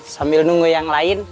sambil nunggu yang lain